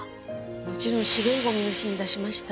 もちろん資源ゴミの日に出しました。